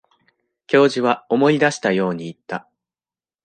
教授は思い出したように言った。